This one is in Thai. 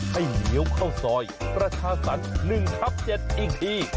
เลี้ยวเข้าซอยประชาสรรค์๑ทับ๗อีกที